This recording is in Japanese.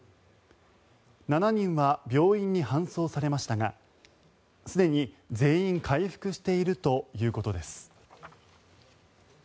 ７人は病院に搬送されましたがすでに全員回復しているということです。